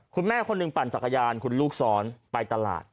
คุณแม่คนหนึ่งปั่นจักรยานคุณลูกซ้อนไปตลาด